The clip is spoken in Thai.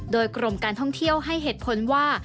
โดยกรมการท่องเที่ยวให้เหตุผลว่า